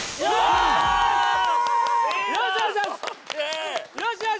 よし！